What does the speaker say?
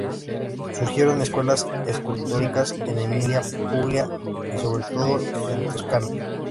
Surgieron escuelas escultóricas en Emilia, Puglia y sobre todo en Toscana.